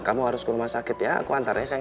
kamu harus ke rumah sakit ya aku antar ya sayang